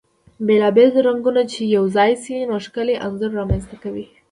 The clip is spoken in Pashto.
بيلا بيل رنګونه چی يو ځاي شي ، نو ښکلی انځور رامنځته کوي .